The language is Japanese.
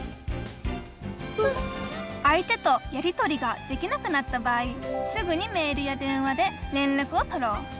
相手とやりとりができなくなった場合すぐにメールや電話で連絡をとろう。